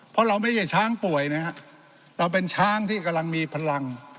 เพราะเราไม่ใช่ช้างป่วยนะฮะเราเป็นช้างที่กำลังมีพลัง